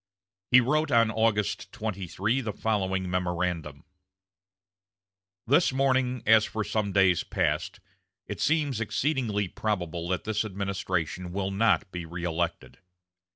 He wrote on August 23 the following memorandum: "This morning, as for some days past, it seems exceedingly probable that this administration will not be reëlected.